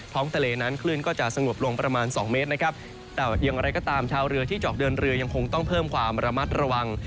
ทะเลนั้นคลื่นก็จะสงบลงประมาณสองเมตรนะครับแต่อย่างไรก็ตามชาวเรือที่เจาะเดินเรือยังคงต้องเพิ่มความระมัดระวัง